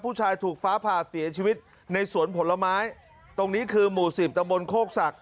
ผู้ชายถูกฟ้าผ่าเสียชีวิตในสวนผลไม้ตรงนี้คือหมู่สิบตะบนโคกศักดิ